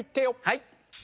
はい！